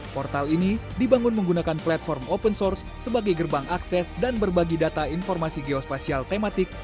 portal ini dibangun menggunakan platform open source sebagai gerbang akses dan berbagi data informasi geospasial tematik